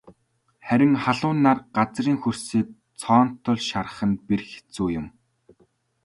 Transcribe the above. Харин халуун нар газрын хөрсийг цоонотол шарах нь бэрх хэцүү юм.